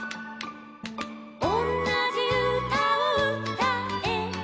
「おんなじうたをうたえば」